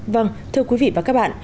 vâng thưa quý vị và các bạn